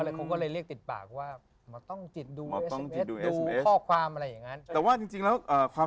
สวัสดีพี่พ่อดำสวัสดีพี่หนุ่ม